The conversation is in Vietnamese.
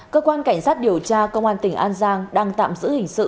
cơ quan cảnh sát điều tra công an tỉnh an giang đang tạm giữ hình sự